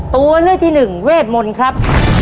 ตัวเลือกที่หนึ่งเวทมนต์ครับ